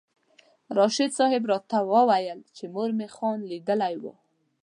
راشد صاحب راته وویل چې مور مې خان لیدلی و.